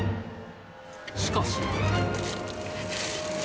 しかし。